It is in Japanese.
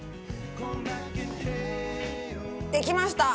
できました。